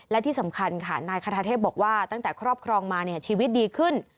และที่สำคัญค่ะนายคาทาเทพบอกว่าตั้งแต่ครอบครองมาเนี่ยชีวิตดีขึ้น